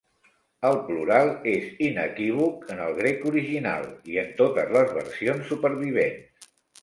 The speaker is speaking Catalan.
El plural és inequívoc en el grec original i en totes les versions supervivents.